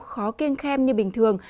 khó kiên khen như bình thường